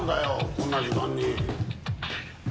こんな時間に。